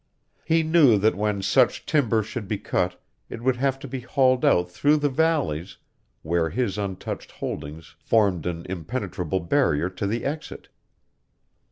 He knew that when such timber should be cut it would have to be hauled out through the valleys where his untouched holdings formed an impenetrable barrier to the exit!